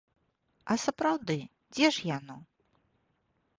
А сапраўды, дзе ж яно?